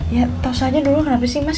ya tosanya dulu kenapa sih mas